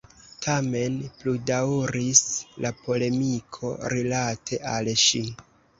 Tamen pludaŭris la polemiko rilate al ŝi.